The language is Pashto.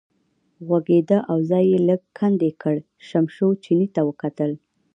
غوږېده او ځای یې لږ کندې کړ، شمشو چیني ته وکتل.